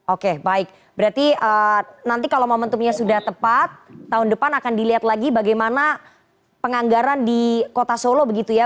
oke baik berarti nanti kalau momentumnya sudah tepat tahun depan akan dilihat lagi bagaimana penganggaran di kota solo begitu ya